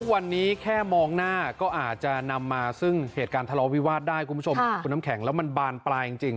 วันนี้แค่มองหน้าก็อาจจะนำมาซึ่งเหตุการณ์ทะเลาวิวาสได้คุณผู้ชมคุณน้ำแข็งแล้วมันบานปลายจริง